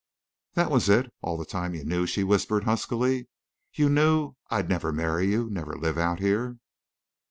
"That was it? All the time you knew," she whispered, huskily. "You knew. ... _I'd never—marry you—never live out here?